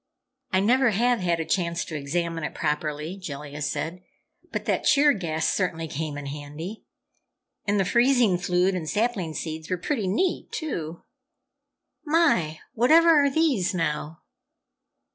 "I never have had a chance to examine it properly," Jellia said. "But that cheer gas certainly came in handy, and the freezing fluid and sapling seeds were pretty neat, too! My, whatever are these, now?"